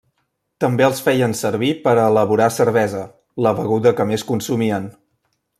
També els feien servir per a elaborar cervesa, la beguda que més consumien.